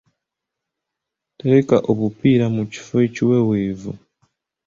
Tereka obupiira mu kifo ekiweweevu.